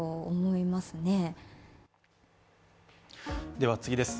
では次です。